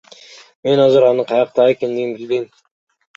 Мен азыр анын каякта экендигин билбейм.